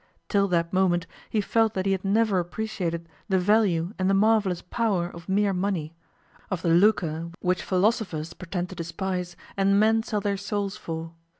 Till that moment he felt that he had never appreciated the value and the marvellous power of mere money, of the lucre which philosophers pretend to despise and men sell their souls for.